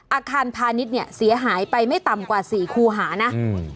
อาคารพาณิชย์เนี่ยเสียหายไปไม่ต่ำกว่าสี่คูหานะอืม